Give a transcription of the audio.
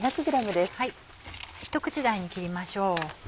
ひと口大に切りましょう。